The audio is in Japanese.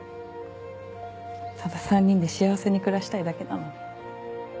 ただ３人で幸せに暮らしたいだけなのに。